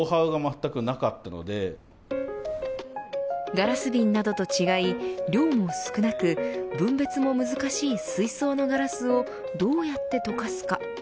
ガラス瓶などと違い量も少なく分別も難しい水槽のガラスをどうやって溶かすか。